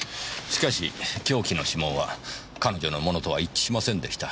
しかし凶器の指紋は彼女のものとは一致しませんでした。